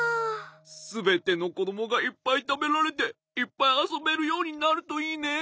すべてのこどもがいっぱいたべられていっぱいあそべるようになるといいね。